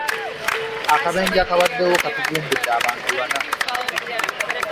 Akabenje akabaddewo katugumbudde abantu bana.